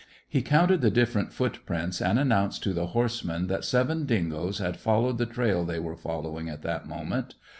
He counted the different footprints, and announced to the horsemen that seven dingoes had followed the trail they were following at that moment.